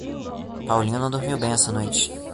Paulinho não dormiu bem essa noite